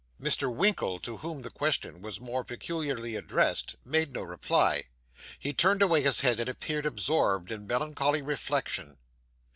Mr. Winkle, to whom the question was more peculiarly addressed, made no reply. He turned away his head, and appeared absorbed in melancholy reflection.